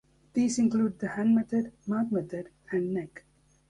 These include the hand method, mouth method and neck.